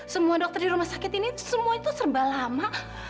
semua dokter di rumah sakit ini semua itu serba lama